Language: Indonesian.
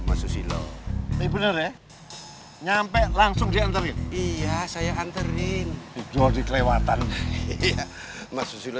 masuk silo bener ya nyampe langsung diantarin iya saya anterin jodoh kelewatan masuk sila